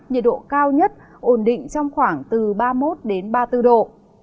nhiệt độ cao nhất ổn định trong khoảng từ ba mươi một ba mươi bốn độ